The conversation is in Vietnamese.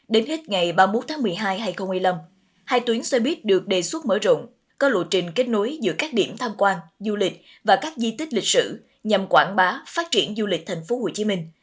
đến hết ngày ba mươi một tháng một mươi hai hai nghìn một mươi năm hai tuyến xe buýt được đề xuất mở rộng có lộ trình kết nối giữa các điểm tham quan du lịch và các di tích lịch sử nhằm quảng bá phát triển du lịch tp hcm